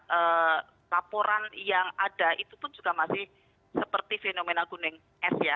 karena laporan yang ada itu pun juga masih seperti fenomena gunung es ya